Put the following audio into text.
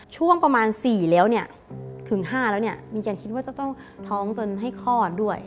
ช่วงประมาณ๔แล้วเนี่ยถึง๕แล้วเนี่ยมีการคิดว่าจะต้องท้องจนให้คลอดด้วย